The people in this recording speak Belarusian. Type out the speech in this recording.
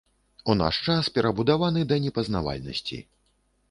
У наш час перабудаваны да непазнавальнасці.